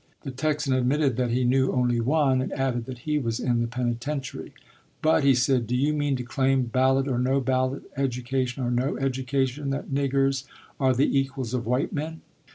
The Texan admitted that he knew only one, and added that he was in the penitentiary. "But," he said, "do you mean to claim, ballot or no ballot, education or no education, that niggers are the equals of white men?"